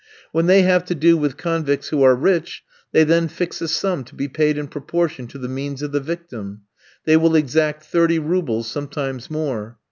When they have to do with convicts who are rich, they then fix a sum to be paid in proportion to the means of the victim. They will exact thirty roubles, sometimes more.